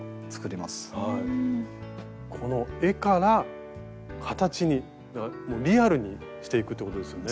この絵から形にリアルにしていくってことですよね。